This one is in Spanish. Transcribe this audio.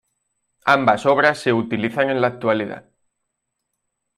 Ambas obras se utilizan en la actualidad.